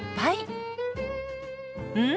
うん！